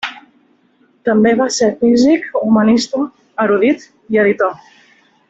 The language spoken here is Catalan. També va ser físic, humanista, erudit i editor.